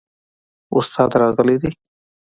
استاد راغلی دی؟